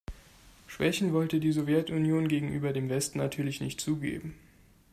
Schwächen wollte die Sowjetunion gegenüber dem Westen natürlich nicht zugeben.